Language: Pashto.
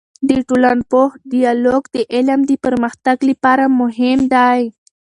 د ټولنپوه ديالوګ د علم د پرمختګ لپاره مهم دی.